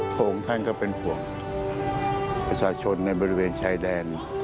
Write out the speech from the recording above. พระองค์ท่านก็เป็นห่วงประชาชนในบริเวณชายแดน